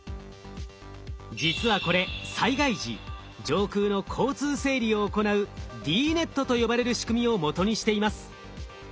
実はこれ災害時上空の交通整理を行うＤ−ＮＥＴと呼ばれる仕組みをもとにしています。